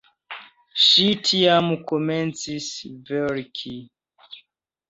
Ŝi tiam komencis verki.